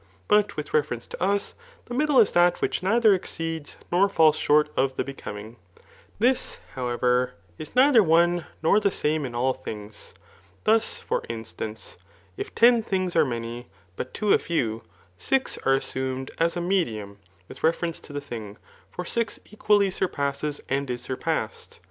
But with reference to us the middle is that which neither exceeds nor &0m short of die becoming. Tbis^ however, is ndtiier one Digitized by Google 68 THE V<C9M4CaBAN ^,9g$Mi^f,r por the same in all things. Thus^ for iostanee, if ten things are many, but two a few, six are assumed as a medium with reference to the thing, for six equally sur^ passes and is surpassed.